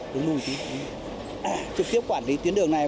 chúng tôi trực tiếp quản lý tuyến đường này